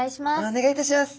お願いいたします。